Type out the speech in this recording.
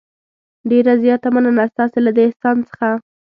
ډېره زیاته مننه ستاسې له دې احسان څخه.